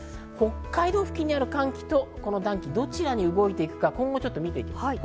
北海道付近にある寒気とこの暖気、どちらに動いていくか今後を見ていきます。